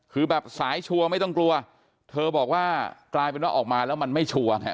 คือแบบสายชัวร์ไม่ต้องกลัวเธอบอกว่ากลายเป็นว่าออกมาแล้วมันไม่ชัวร์ไง